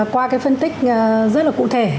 qua cái phân tích rất là cụ thể